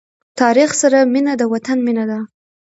تاریخ سره مینه د وطن مینه ده.